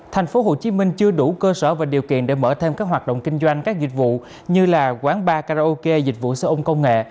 thành phố hồ chí minh chưa đủ cơ sở và điều kiện để mở thêm các hoạt động kinh doanh các dịch vụ như quán bar karaoke dịch vụ xe ôn công nghệ